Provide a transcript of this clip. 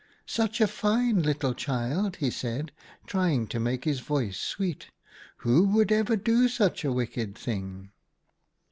11 ' Such a fine little child,' he said, trying to make his voice sweet, ' who would ever do such a wicked thing